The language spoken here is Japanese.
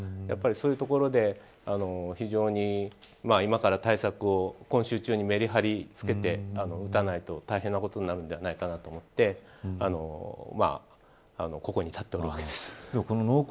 やっぱりそういうところで非常に今から対策を、今週中にメリハリをつけて打たないと大変なことになるんじゃないかなと思ってここに立っておるわけです。